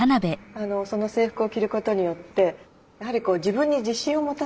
その制服を着ることによってやはり自分に自信を持たせる。